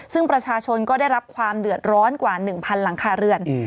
ซึ่งประชาชนก็ได้รับความเดือดร้อนกว่า๑๐๐หลังคาเรือน